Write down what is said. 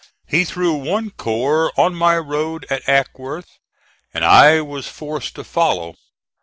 He threw one corps on my road at Acworth, and I was forced to follow.